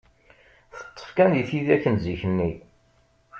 Teṭṭef kan di tidak n zik-nni.